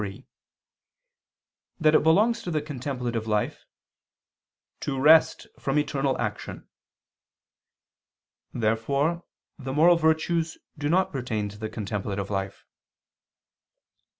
3]) that it belongs to the contemplative life "to rest from external action." Therefore the moral virtues do not pertain to the contemplative life.